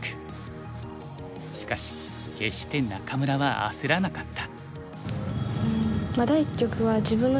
しかし決して仲邑は焦らなかった。